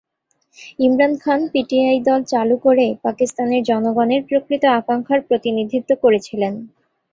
Imran Khan PTI দল চালু করে পাকিস্তানের জনগণের প্রকৃত আকাঙ্ক্ষার প্রতিনিধিত্ব করেছিলেন।